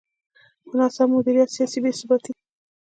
خو ناسم مدیریت، سیاسي بې ثباتي.